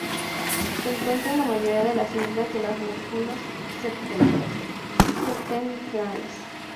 Se encuentra en la mayoría de las islas de las Molucas septentrionales.